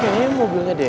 masa yang lu robis